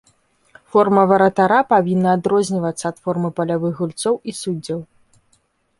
Форма варатара павінна адрознівацца ад формы палявых гульцоў і суддзяў.